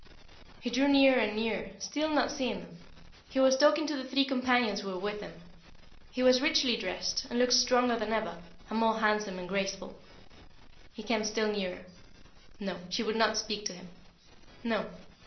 He drew nearer and nearer, still not seeing them. He was talking to the three companions who were with him. He was richly dressed, and looked stronger than ever, and more handsome and graceful. He came still nearer. No, she would not speak to him. No!